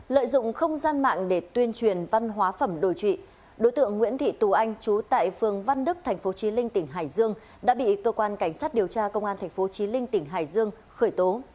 lợi dụng không gian mạng để tuyên truyền văn hóa phẩm đồi trụy đối tượng nguyễn thị tù anh trú tại phường văn đức tp chí linh tỉnh hải dương đã bị cơ quan cảnh sát điều tra công an tp chí linh tỉnh hải dương khởi tố